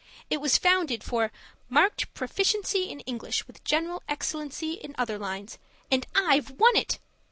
It was founded for 'marked proficiency in English with general excellency in other lines.' And I've won it!